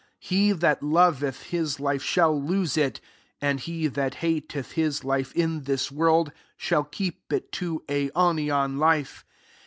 25 He that loveth his life, shall lose it; and he that hateth his life, in this world, shall keep it to aionian life.